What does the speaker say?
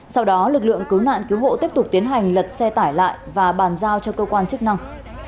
sau đó lực lượng cứu nạn cứu hộ tiếp tục tiến hành lật xe tải lại và bàn giao cho cơ quan chức năng